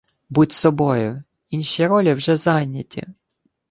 Будь собою! Інші ролі вже зайняті!